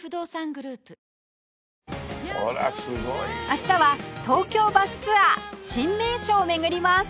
明日は東京バスツアー新名所を巡ります